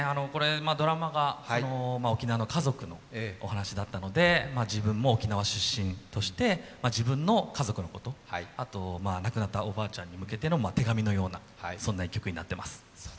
ドラマが沖縄の家族のお話だったので、自分も沖縄出身として自分の家族のこと、あと、亡くなったおばあちゃんに向けての手紙のような１曲になっています。